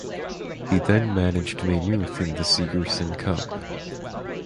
He then managed Maynooth in the Sigerson Cup.